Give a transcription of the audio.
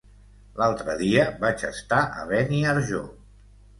L'altre dia vaig estar a Beniarjó.